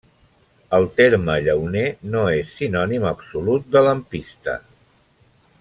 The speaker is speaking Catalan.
El terme llauner no és sinònim absolut de lampista.